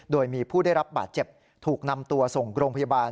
โดยมีผู้ได้รับบาดเจ็บถูกนำตัวส่งโรงพยาบาล